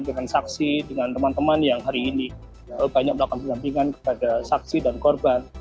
dengan saksi dengan teman teman yang hari ini banyak melakukan pendampingan kepada saksi dan korban